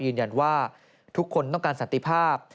ยืนยันว่าทุกคนต้องการสันติภาพ